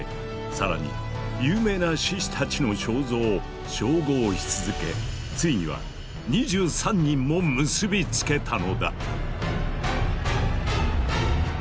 さらに有名な志士たちの肖像を照合し続けついには２３人も結びつけたのだ。